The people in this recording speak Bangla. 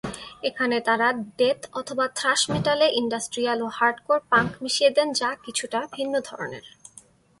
এখানে তারা ডেথ/ থ্রাশ মেটাল-এ ইন্ডাস্ট্রিয়াল ও হার্ডকোর পাঙ্ক মিশিয়ে দেন যা কিছুটা ভিন্ন ধরনের।